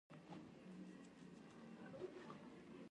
اوړي د افغانانو د تفریح یوه وسیله ده.